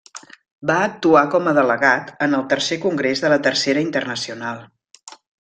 Va actuar com a delegat en el Tercer Congrés de la Tercera Internacional.